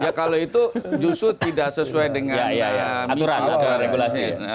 ya kalau itu justru tidak sesuai dengan aturan regulasi